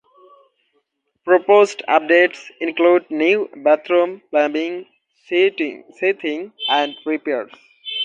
Proposed updates include new bathrooms, plumbing, seating and repairs.